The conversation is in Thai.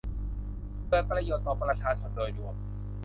เกิดประโยชน์ต่อประชาชนโดยรวม